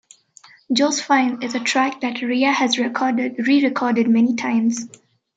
"Josephine" is a track that Rea has re-recorded many times.